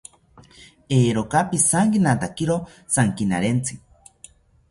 Eeeroka pijankinatakiro jankinarentzi